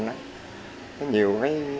nó nhiều cái